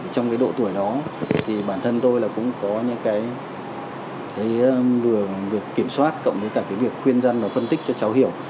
thì bản thân tôi là cũng có những cái lừa kiểm soát cộng với cả cái việc khuyên dân và phân tích cho cháu hiểu